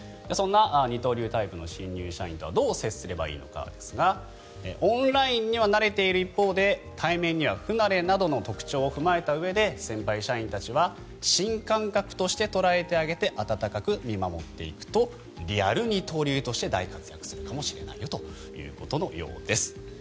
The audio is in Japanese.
そんな二刀流タイプの新入社員とどう接すればいいのかですがオンラインには慣れている一方で対面には不慣れなどの特徴を踏まえたうえで先輩社員たちは、新感覚として捉えてあげて温かく見守っていくとリアル二刀流として大活躍するかもしれないということです。